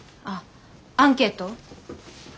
ああアンケート？